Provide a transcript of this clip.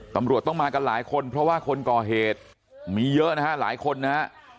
ตำรวจต้องมากันหลายคนเพราะว่าคนก่อเหตุมีเยอะนะฮะหลายคนนะฮะ